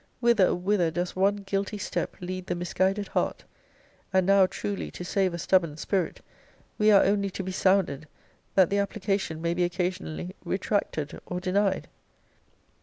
Whither, whither, does one guilty step lead the misguided heart! And now, truly, to save a stubborn spirit, we are only to be sounded, that the application may be occasionally retracted or denied!